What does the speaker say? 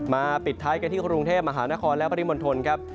ปิดท้ายกันที่กรุงเทพมหานครและปริมณฑลครับ